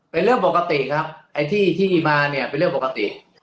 เป็นเรื่องปกติครับไอ้ที่ที่มาเนี่ยเป็นเรื่องปกติ